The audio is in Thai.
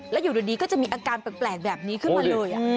แล้วอยู่ดีก็จะมีอาการแปลกแบบนี้ขึ้นมาเลย